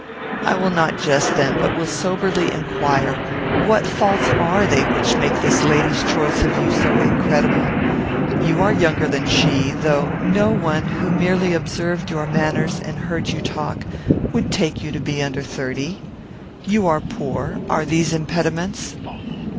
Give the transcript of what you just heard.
"I will not jest, then, but will soberly inquire, what faults are they which make this lady's choice of you so incredible? You are younger than she, though no one, who merely observed your manners and heard you talk, would take you to be under thirty. You are poor: are these impediments?"